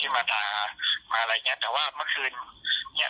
มาด่ามาอะไรอย่างเงี้ยแต่ว่าเมื่อคืนเนี้ย